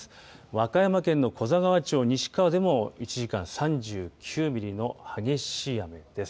和歌山県の古座川町西川でも１時間３９ミリの激しい雨です。